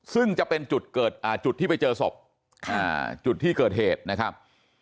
ซึ่งจะเป็นจุดที่ไปเจอศพจุดที่เกิดเหตุนะครับ